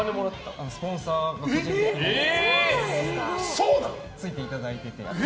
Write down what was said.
スポンサーがついていただいてて。